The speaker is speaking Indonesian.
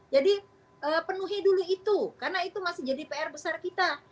jadi penuhi dulu itu karena itu masih jadi pr besar kita